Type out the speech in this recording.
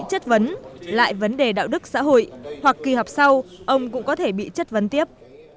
chất vấn lại vấn đề đạo đức xã hội hoặc kỳ họp sau ông cũng có thể bị chất vấn tiếp